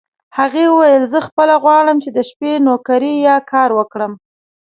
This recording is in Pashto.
هغې وویل: زه خپله غواړم چې د شپې نوکري یا کار وکړم.